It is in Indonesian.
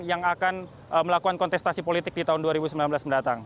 yang akan melakukan kontestasi politik di tahun dua ribu sembilan belas mendatang